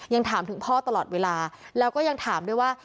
ยังถามถึงพ่อตลอดเวลาแล้วก็ยังถามด้วยว่า